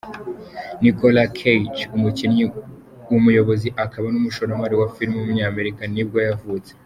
Nicolas Cage, umukinnyi, umuyobozi akaba n’umushoramari wa filime w’umunyamerika nibwo yavutse.